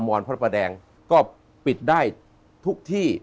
อนพระประแดงก็ปิดได้ทุกที่